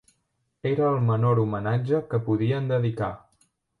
Era el menor homenatge que podien dedicar.